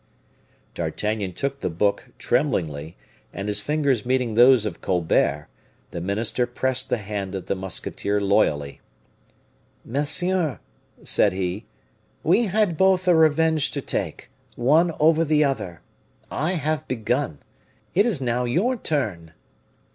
D'Artagnan took the book, tremblingly, and his fingers meeting those of Colbert, the minister pressed the hand of the musketeer loyally. "Monsieur," said he, "we had both a revenge to take, one over the other. I have begun; it is now your turn!"